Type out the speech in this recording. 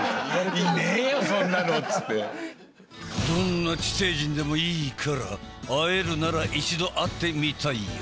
どんな地底人でもいいから会えるなら一度会ってみたいよのう。